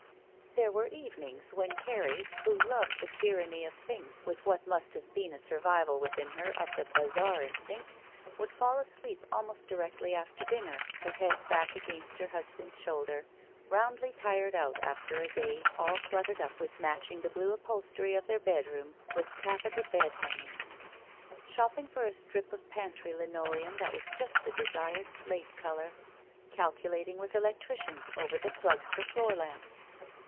There were evenings when Carrie, who loved the tyranny of things with what must have been a stir vival within her of the bazaar instinct, would fall asleep almost directly after dinner, her head back against her husband's shoulder, roundly tired out after a day all cluttered up with matching the blue upholstery of their bedroom with taffeta bed hang ings. Shopping for a strip of pantry linoleum that was just the desired slate color. Calculating with electricians over the plugs for floor lamps.